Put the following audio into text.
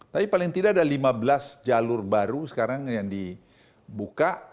tapi paling tidak ada lima belas jalur baru sekarang yang dibuka